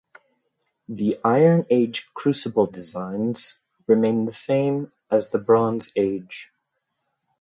The Iron Age crucible designs remain the same as the Bronze Age.